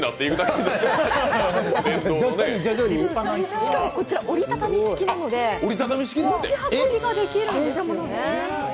しかもこちら折りたたみ式なので持ち運びができるんですね。